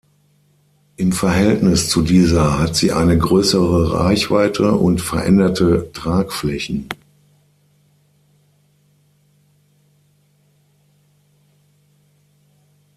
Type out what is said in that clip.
Im Verhältnis zu dieser hat sie eine größere Reichweite und veränderte Tragflächen.